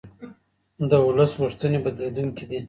د ولس غوښتنې بدلېدونکې دي